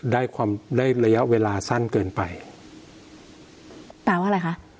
ได้ความได้ระยะเวลาสั้นเกินไปแปลว่าอะไรคะ